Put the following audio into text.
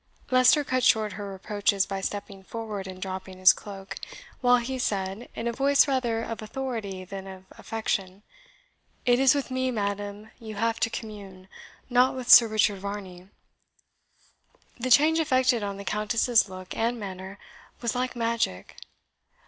Leicester cut short her reproaches by stepping forward and dropping his cloak, while he said, in a voice rather of authority than of affection, "It is with me, madam, you have to commune, not with Sir Richard Varney." The change effected on the Countess's look and manner was like magic.